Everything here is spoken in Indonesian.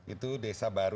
itu desa baru